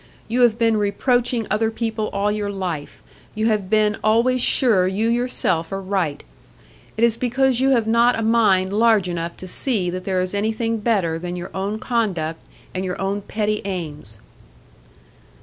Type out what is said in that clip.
You have been reproaching other people all your life; you have been always sure you yourself are right. It is because you have not a mind large enough to see that there is anything better than your own conduct and your own petty aims."